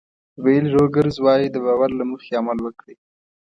ویل روګرز وایي د باور له مخې عمل وکړئ.